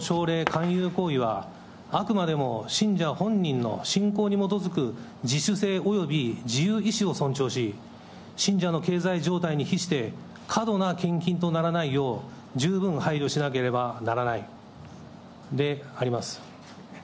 勧誘行為は、あくまでも信者本人の信仰に基づく自主性および自由意思を尊重し、信者の経済状態に比して、過度な献金とならないよう、十分配慮しなければならないであります。